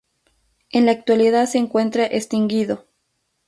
En la actualidad se encuentra extinguido.